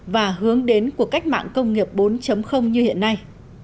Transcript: và hướng đến cuộc cách mạng công nghiệp bốn như hiện nay